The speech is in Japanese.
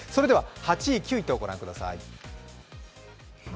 ８位、９位と御覧ください。